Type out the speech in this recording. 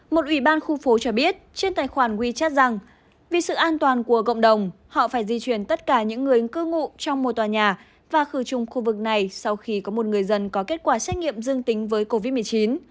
một ủy ban khu phố cho biết trên tài khoản wechat rằng vì sự an toàn của cộng đồng họ phải di chuyển tất cả những người cư ngụ trong một tòa nhà và khử trùng khu vực này sau khi có một người dân có kết quả xét nghiệm dương tính với covid một mươi chín